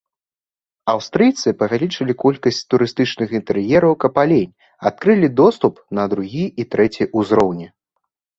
Аўстрыйцы павялічылі колькасць турыстычных інтэр'ераў капалень, адкрылі доступ на другі і трэці ўзроўні.